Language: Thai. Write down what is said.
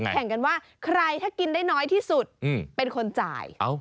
แข่งกันว่าใครถ้ากินได้น้อยที่สุดเป็นคนจ่าย